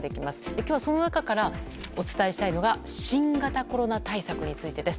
今日はその中からお伝えしたいのが新型コロナ対策についてです。